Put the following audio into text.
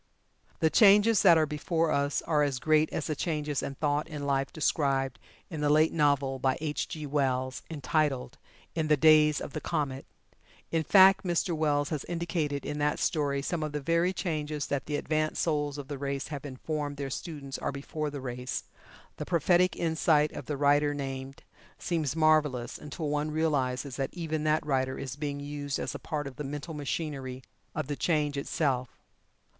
The changes that are before us are as great as the changes in thought and life described in the late novel by H. G. Wells, entitled "In the Days of the Comet." In fact, Mr. Wells has indicated in that story some of the very changes that the advanced souls of the race have informed their students are before the race the prophetic insight of the writer named seems marvelous, until one realizes that even that writer is being used as a part of the mental machinery of The Change itself.